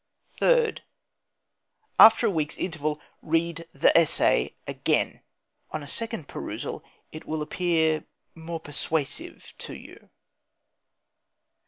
Third: After a week's interval read the essay again. On a second perusal it will appear more persuasive to you.